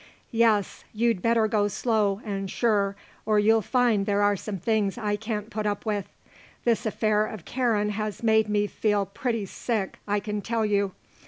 "Yes, you'd better go slow and sure or you'll find there are some things I can't put up with. This affair of Karen has made me feel pretty sick, I can tell you.